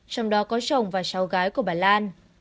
trong đó có chồng và cháu gái của bà lan